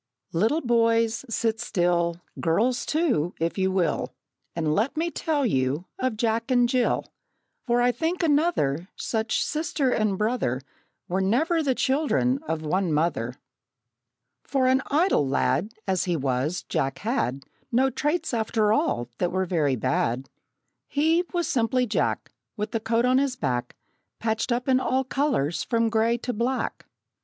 Little boys, sit still Girls, too, if you will And let me tell you of Jack and Jill; For I think another Such sister and brother Were never the children of one mother! For an idle lad, As he was, Jack had No traits, after all, that were very bad. He, was simply Jack, With the coat on his back Patched up in all colors from gray to black.